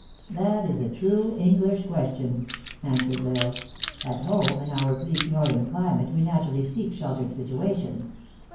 "That is a true English question," answered L Isle. " At home, in our bleak northern climate, AVC natur ally seek sheltered situations.